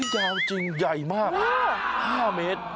ยาวจริงยัยมาก๕เมตร